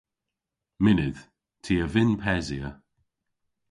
Mynnydh. Ty a vynn pesya.